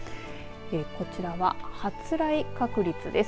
こちらは発雷確率です。